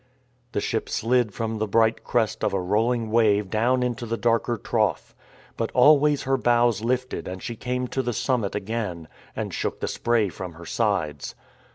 The ship slid from the bright crest of a rolling wave down into the darker trough. But always her bows lifted and she came to the summit again, and shook the spray from her sides.